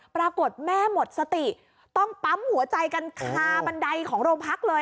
ปรากฏแม่หมดสติต้องปั๊มหัวใจกันคาบันไดของโรงพักเลย